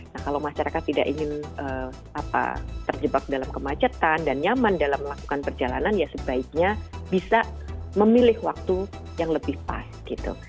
nah kalau masyarakat tidak ingin terjebak dalam kemacetan dan nyaman dalam melakukan perjalanan ya sebaiknya bisa memilih waktu yang lebih pas gitu